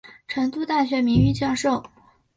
成城大学名誉教授。